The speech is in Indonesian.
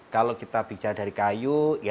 kalau kita bicara dari kayu